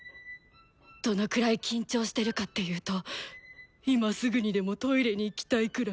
どのくらい緊張してるかっていうと今すぐにでもトイレに行きたいくらい。